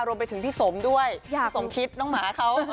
รวมไปถึงพี่สมด้วยพี่สมคิดน้องหมาเขา